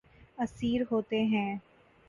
اسیر ہوتے ہیں